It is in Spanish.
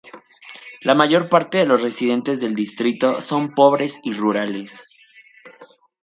La mayor parte de los residentes del distrito son pobres y rurales.